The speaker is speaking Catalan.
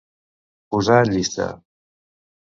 Posar en llista.